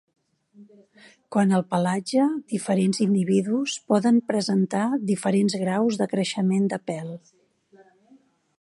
Quant al pelatge, diferents individus poden presentar diferents graus de creixement de pèl.